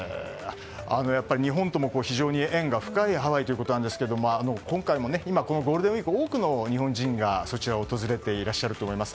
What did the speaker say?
やっぱり日本とも非常に縁が深いハワイということですが今回も、ゴールデンウィークで多くの日本人がそちらに訪れていらっしゃると思います。